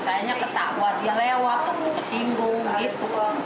sayangnya ketawa dia lewat kesinggung gitu